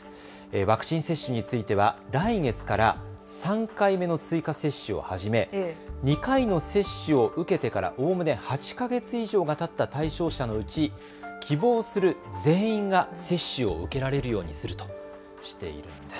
ワクチン接種については来月から３回目の追加接種を始め２回の接種を受けてからおおむね８か月以上がたった対象者のうち希望する全員が接種を受けられるようにするとしているんです。